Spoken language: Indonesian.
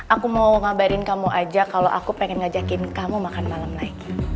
aku mau ngabarin kamu aja kalau aku pengen ngajakin kamu makan malam naik